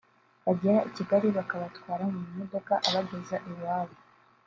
bagera i Kigali bakabatwara mu mamodoka abageza iwabo